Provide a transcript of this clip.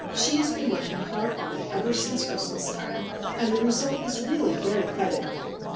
She has been working hard on it ever since Christmas time, and the result is really very creditable.